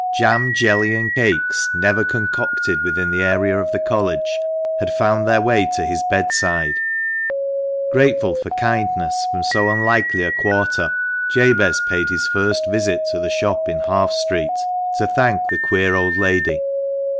Jam, jelly, and cakes, never concocted within the area of the College, had found their way to his bedside. Grateful for kindness from so unlikely a quarter, Jabez paid his first visit to the shop in Half Street, to KITCHEN DOOR. THE MANCHESTER MAN. 123 thank the queer old lady.